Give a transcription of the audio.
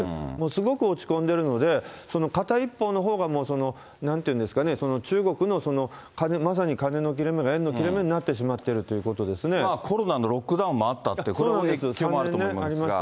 すごく落ち込んでるので、片一方のほうが、なんて言うんですかね、中国の金、まさに金の切れ目が縁の切れ目になってしまっているということでコロナのロックダウンもあったって、この影響もあると思いますが。